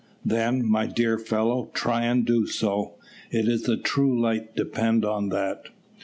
"Then, my dear fellow, try and do so. It is the true light depend on that."